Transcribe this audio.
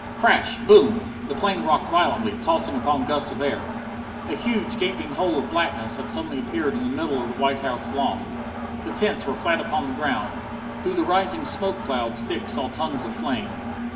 Crash! Boom! The plane rocked violently, tossing upon gusts of air. A huge, gaping hole of blackness had suddenly appeared in the middle of the White House lawn. The tents were flat upon the ground. Through the rising smoke clouds Dick saw tongues of flame.